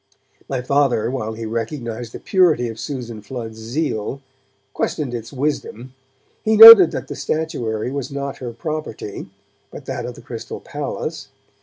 My Father, while he recognized the purity of Susan Flood's zeal, questioned its wisdom. He noted that the statuary was not her property, but that of the Crystal Palace.